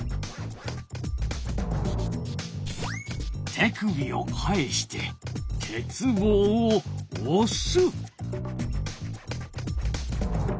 手首を返して鉄棒をおす。